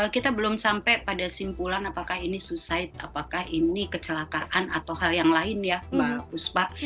kita belum sampai pada simpulan apakah ini suicide apakah ini kecelakaan atau hal yang lain ya mbak puspa